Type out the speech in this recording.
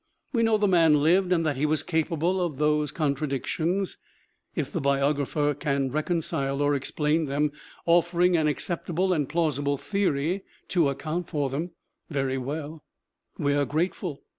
We know the man lived and that he was capable of those contra dictions. If the biographer can reconcile or explain them, offering an acceptable and plausible theory to account for them, very well; we are grateful.